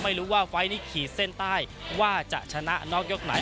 ไม่รู้ว่าไฟล์นี้ขีดเส้นใต้ว่าจะชนะนอกยกไหน